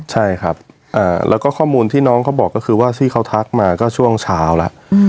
ใช่ครับแล้วก็ข้อมูลที่น้องเขาบอกก็คือว่าที่เขาทักมาก็ช่วงเช้าแล้ว